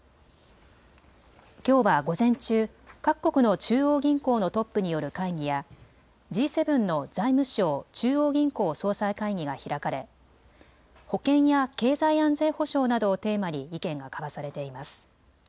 きょうは午前中、各国の中央銀行のトップによる会議やＧ７の財務相・中央銀行総裁会議が開かれ保健や経済安全保障などをテーマに意見が交わされています。